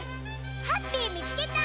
ハッピーみつけた！